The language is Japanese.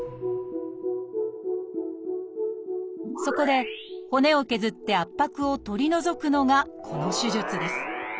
そこで骨を削って圧迫を取り除くのがこの手術です。